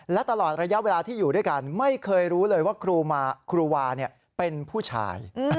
และตลอดระยะเวลาที่อยู่ด้วยกันไม่เคยรู้เลยว่าครูวาเป็นผู้ชาย